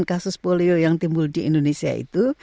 kasus polio yang timbul di indonesia itu